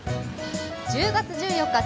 １０月１４日